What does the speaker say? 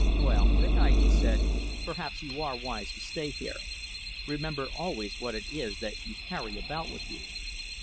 "Well, good night," he said. "Perhaps you are wise to stay here. Remember always what it is that you carry about with you."